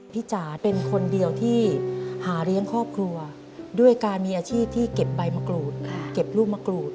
จ๋าเป็นคนเดียวที่หาเลี้ยงครอบครัวด้วยการมีอาชีพที่เก็บใบมะกรูดเก็บลูกมะกรูด